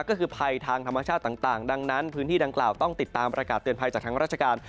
ก็คือภัยทางธรรมชาติต่างดังนั้นพื้นที่ดังกล่าวต้องติดตามประกาศเตือนภัยจากทางราชการ